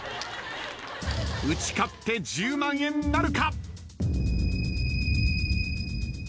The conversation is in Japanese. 打ち勝って１０万円なるか？